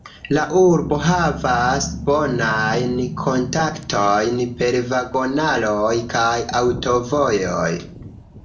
La urbo havas bonajn kontaktojn per vagonaroj kaj aŭtovojoj.